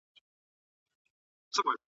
جهاني د هغي شپې وېش دي را پرېښود